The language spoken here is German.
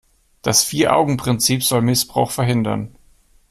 Das Vier-Augen-Prinzip soll Missbrauch verhindern.